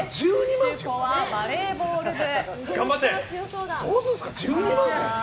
中高はバレーボール部。